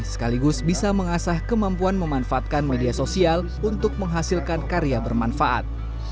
sekaligus bisa mengasah kemampuan memanfaatkan media sosial untuk menghasilkan karya bermanfaat